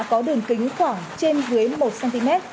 có đường kính khoảng trên huế một cm